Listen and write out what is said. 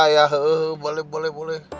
ya boleh boleh